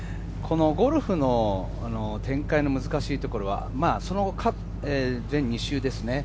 ゴルフの展開の難しいところは、全２周ですね。